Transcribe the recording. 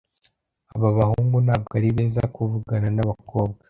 Aba bahungu ntabwo ari beza kuvugana nabakobwa.